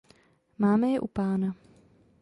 Máme je u Pána.